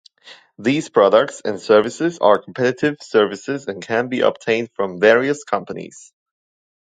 These products and services are competitive services and can be obtained from various companies.